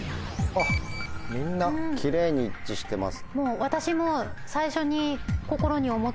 みんなキレイに一致してます。